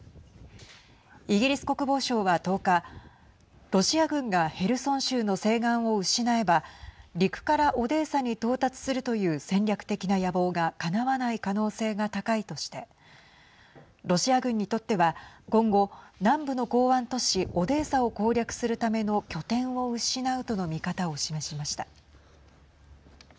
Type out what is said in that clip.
イギリス国防省は１０日ロシア軍がヘルソン州の西岸を失えば陸からオデーサに到達するという戦略的な野望がかなわない可能性が高いとしてロシア軍にとっては今後南部の港湾都市オデーサを攻略するための拠点を失うとの見方を示しました。